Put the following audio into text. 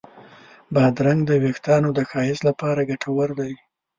بادرنګ د وېښتانو د ښایست لپاره ګټور دی.